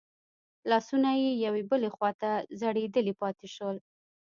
لاسونه يې يوې بلې خواته ځړېدلي پاتې شول.